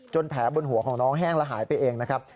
แผลบนหัวของน้องแห้งและหายไปเองนะครับ